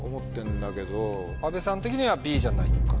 阿部さん的にはＢじゃないかと。